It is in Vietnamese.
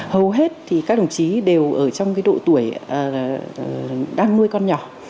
hầu hết thì các đồng chí đều ở trong độ tuổi đang nuôi con nhỏ